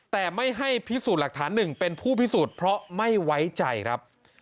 แต่ไม่ให้พิสูจน์หลักฐานหนึ่งเป็นผู้พิสูจน์เพราะไม่ไว้ใจครับ